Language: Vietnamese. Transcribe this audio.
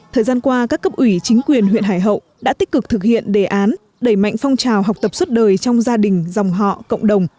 thời gian qua các cấp ủy chính quyền huyện hải hậu đã tích cực thực hiện đề án đẩy mạnh phong trào học tập suốt đời trong gia đình dòng họ cộng đồng